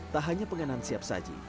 tak hanya penganan siap saji